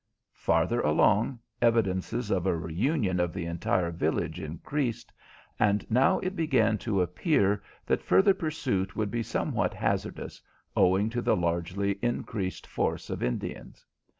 Farther along evidences of a reunion of the entire village increased, and now it began to appear that further pursuit would be somewhat hazardous, owing to the largely increased force of Indians.